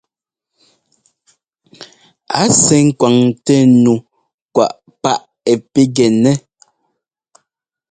A sɛ́ ŋ́kwaŋtɛ nu kwáꞌ páꞌ ɛ́ pigɛnɛ́.